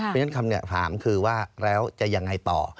เพราะฉะนั้นคำถามคือว่าแล้วจะยังไงต่อ